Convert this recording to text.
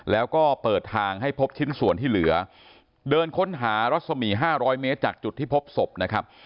แล้วก็เปิดทางให้พบชิ้นส่วนที่เหลือเดินค้นหารัศมี๕๐๐เมตรจากจุดที่พบศพนะครับ